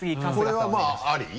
これはあり？